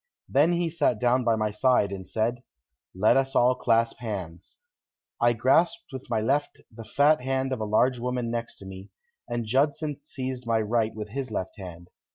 Then he sat down by my side and said: "Let us all clasp hands." I grasped with my left the fat hand of a large woman next to me, and Judson seized my right with his left hand.